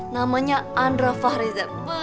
namanya andra fahrizat